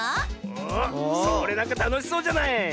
おそれなんかたのしそうじゃない？